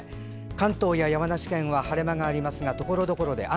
関東や山梨県は晴れ間がありますがところどころで雨。